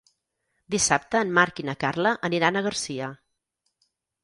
Dissabte en Marc i na Carla aniran a Garcia.